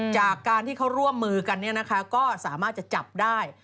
จากการที่เขาร่วมมือกันก็สามารถจะจับได้